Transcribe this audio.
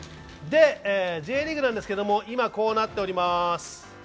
Ｊリーグなんですけど今、こうなっています。